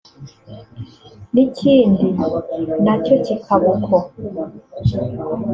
n’ikindi nacyo bikaba uko